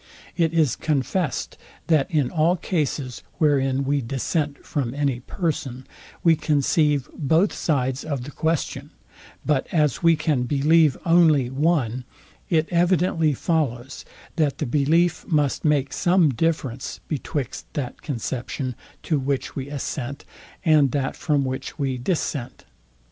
It is contest, that in all cases, wherein we dissent from any person, we conceive both sides of the question; but as we can believe only one, it evidently follows, that the belief must make some difference betwixt that conception to which we assent, and that from which we dissent.